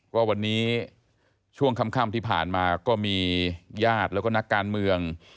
ว่าวันนี้ช่วงค่ำที่ผ่านมาก็มีญาติแล้วก็นักการเมือง